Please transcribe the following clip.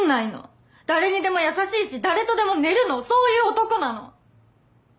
誰にでも優しいし誰とでも寝るのそういう男なの。